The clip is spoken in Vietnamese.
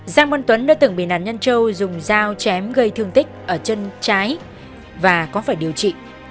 giang văn tuấn đã từng bị nạn nhân châu dùng dao chém gây thương tích ở chân trái và có phải điều trị